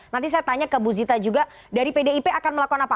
nanti saya tanya ke bu zita juga dari pdip akan melakukan apa